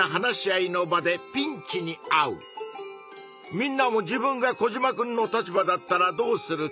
みんなも自分がコジマくんの立場だったらどうするか？